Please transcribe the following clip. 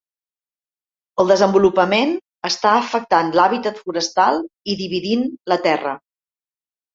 El desenvolupament està afectant l'hàbitat forestal i dividint la terra.